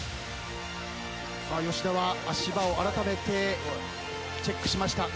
さあ吉田は足場をあらためてチェックしました。